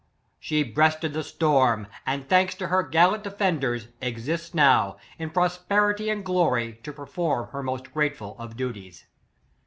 She breasted the storm; and, thanks to her gallant defenders, exists now, in prosper ity and glory, to perform her most grateful of duties.